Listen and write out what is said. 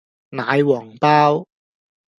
奶皇包